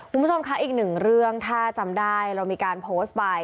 คุณผู้ชมคะอีกหนึ่งเรื่องถ้าจำได้เรามีการโพสต์ไป